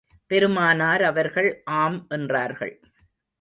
பெருமானார் அவர்கள் ஆம் என்றார்கள்.